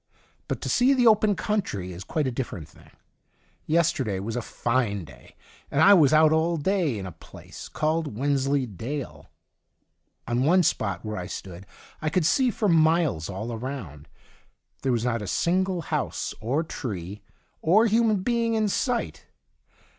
But to see the open country is quite a different thing. Yesterday was a fine day, and I was out all day in a place called Wens ley Dale. On one spot where I stood I could see for miles all round. There was not a single house, or tree, or human being in sight.